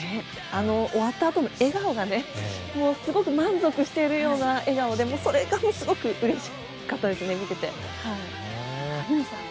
終わったあとの笑顔がすごく満足しているような笑顔でそれがすごくうれしかったです見てて。